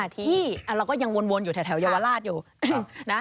ที่เราก็ยังวนอยู่แถวเยาวราชอยู่นะ